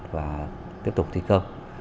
và tiếp tục thiết kế